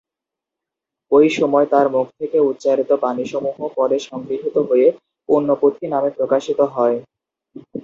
ওই সময় তাঁর মুখ থেকে উচ্চারিত বাণীসমূহ পরে সংগৃহীত হয়ে পুণ্যপুঁথি নামে প্রকাশিত হয়।